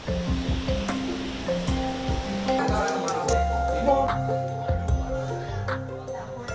saya membantu beratnya dengan adanya bantuan ini kami mengharapkan ke depannya konservasi ini lebih maju lagi mbak